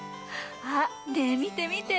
あっねえみてみて。